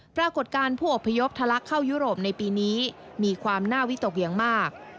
ปรากฏการณ์ผู้อพยพทะลักเข้ายุโรปในปีนี้มีความน่าวิตกอย่างมาก